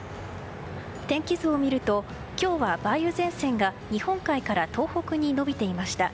天気図を見ると今日は梅雨前線が日本海から東北に延びていました。